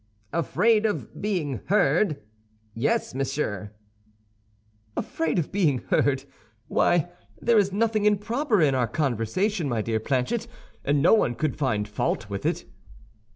"Afraid of being heard? Yes, monsieur." "Afraid of being heard! Why, there is nothing improper in our conversation, my dear Planchet, and no one could find fault with it."